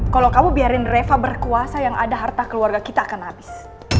kalau kamu biarin reva berkuasa yang ada harta keluarga kita akan habis